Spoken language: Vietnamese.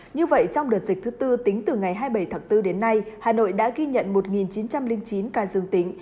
như vậy trong đợt dịch thứ tư tính từ ngày hai mươi bảy tháng bốn đến nay hà nội đã ghi nhận một chín trăm linh chín ca dương tính